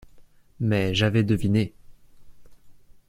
Mais j’avais deviné.